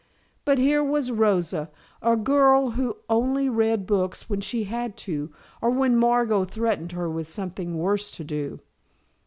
But here was Rosa, a girl who only read books when she had to, or when Margot threatened her with something worse to do.